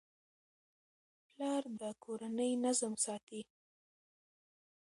پلار د کورنۍ نظم ساتي.